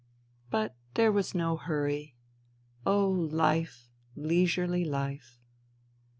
But there was no hurry. life ... leisurely life